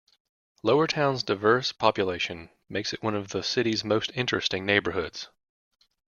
Lowertown's diverse population makes it one of the city's more interesting neighbourhoods.